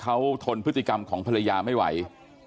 เขาทนพฤติกรรมของภรรยาไม่ไหว